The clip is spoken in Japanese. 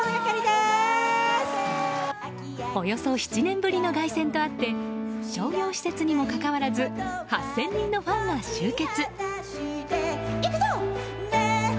およそ７年ぶりの凱旋とあって商業施設にもかかわらず８０００人のファンが集結。